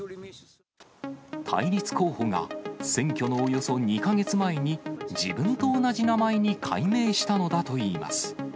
対立候補が、選挙のおよそ２か月前に自分と同じ名前に改名したのだといいます。